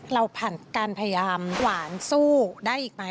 เราผ่านการพยายามหวานสู้ได้อีกไหม